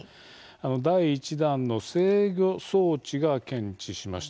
第１段の制御装置が検知しました。